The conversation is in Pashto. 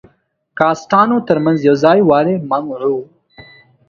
کاسټانو تر منځ یو ځای والی منع وو.